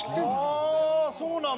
ああそうなんだ。